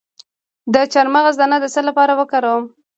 د چارمغز دانه د څه لپاره وکاروم؟